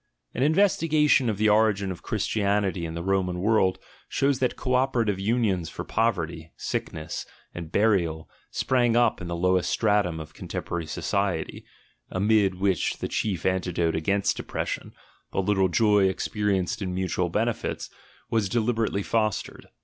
An investiga tion of the origin of Christianity in the Roman world shows that co operative unions for poverty, sickness, and burial sprang up in the lowest stratum of contemporary society, amid which the chief antidote against depression, the little joy experienced in mutual benefits, was delib erately fostered.